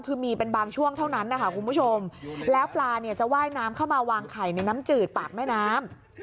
คือมีเป็นบางช่วงเท่านั้นนะคะคุณผู้ชมแล้วปลาเนี่ยจะว่ายน้ำเข้ามาวางไข่ในน้ำจืดปากแม่น้ำ